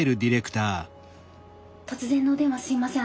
突然のお電話すいません。